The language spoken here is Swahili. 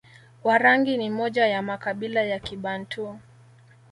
Warangi ni moja ya makabila ya Kibantu